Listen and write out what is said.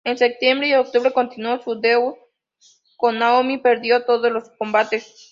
En septiembre y octubre continuo su feudo con Naomi, perdiendo todos los combates.